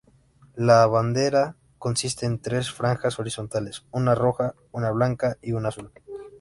La bandera consiste en tres franjas horizontales: una roja, una blanca y una azul.